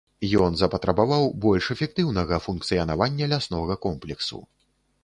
Ён запатрабаваў больш эфектыўнага функцыянавання ляснога комплексу.